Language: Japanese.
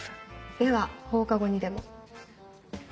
では放課後にでも。